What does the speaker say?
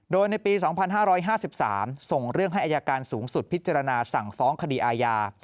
โดยในปี๒๕๕๓ส่งเรื่องให้อายการสูงสุดพิจารณาสั่งฟ้องคดีอาญา